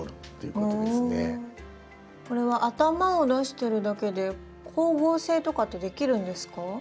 これは頭を出してるだけで光合成とかってできるんですか？